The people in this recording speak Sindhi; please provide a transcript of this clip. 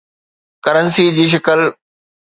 ڪرنسي جي شڪل